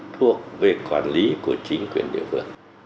thuộc về quản lý của chính quyền địa phương